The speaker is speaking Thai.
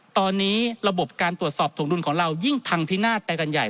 ตอนนี้ระบบการตรวจสอบถวงดุลของเรายิ่งพังพินาศไปกันใหญ่